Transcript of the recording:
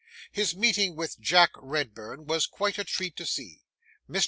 His meeting with Jack Redburn was quite a treat to see. Mr.